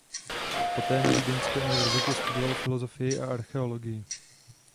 Poté na Vídeňské univerzitě studoval filologii a archeologii.